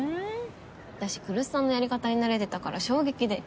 私来栖さんのやり方に慣れてたから衝撃で。